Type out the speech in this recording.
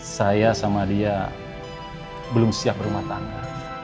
saya sama dia belum siap rumah tangga